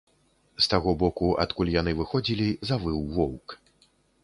З таго боку, адкуль яны выходзілі, завыў воўк.